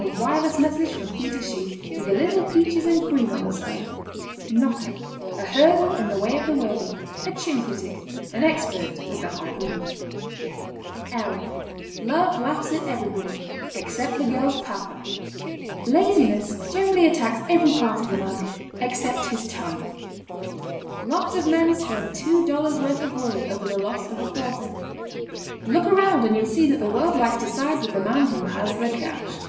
A wireless message from he to she, with a little peaches and cream on the side. KNOCKER. A hurdle in the way of the worthy. A chin critic. An expert with the harpoon. [Illustration: "L When a man is so lazy that he won't talk he is called profound."] Love laughs at everybody except the girl's Papa. Laziness generally attacks every part of a man except his tongue. Lots of men spend two dollars' worth of worry over the loss of a quarter. Look around and you'll see that the world likes to side with the man who has the cash.